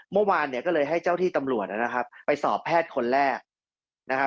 เมื่อวานก็เลยให้เจ้าที่ตำรวจไปสอบแพทย์คนแรก